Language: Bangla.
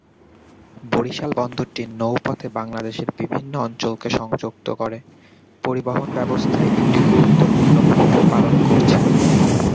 বরিশাল বন্দরটি নৌপথে বাংলাদেশের বিভিন্ন অঞ্চলকে সংযুক্ত করে পরিবহণ ব্যবস্থায় একটি গুরুত্বপূর্ণ ভূমিকা পালন করছে।